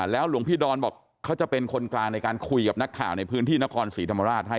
แล้วหลวงพี่ดอนบอกเขาจะเป็นคนกลางในการคุยกับนักข่าวในพื้นที่นครศรีธรรมราชให้